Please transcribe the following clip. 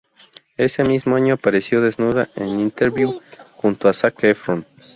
Ese mismo año, apareció desnuda en "Interview" junto a Zac Efron.